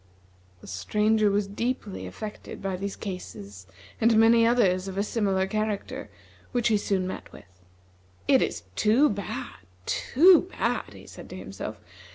The Stranger was deeply affected by these cases and many others of a similar character, which he soon met with. "It is too bad! too bad!" he said to himself.